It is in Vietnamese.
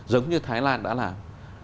giống như thái lan đã làm